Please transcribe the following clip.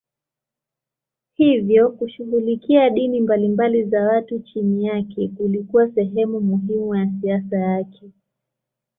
Hivyo kushughulikia dini mbalimbali za watu chini yake kulikuwa sehemu muhimu ya siasa yake.